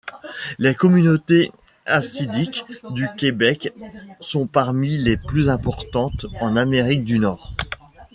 Les communautés hassidiques du Québec sont parmi les plus importantes en Amérique du Nord.